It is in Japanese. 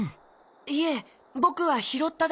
いえぼくはひろっただけです。